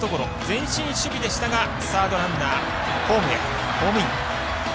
前進守備でしたがサードランナーホームイン。